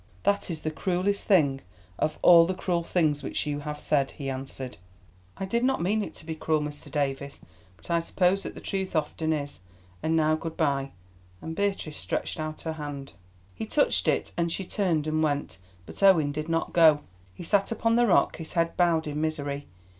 "That is the cruellest thing of all the cruel things which you have said," he answered. "I did not mean it to be cruel, Mr. Davies, but I suppose that the truth often is. And now good bye," and Beatrice stretched out her hand. He touched it, and she turned and went. But Owen did not go. He sat upon the rock, his head bowed in misery.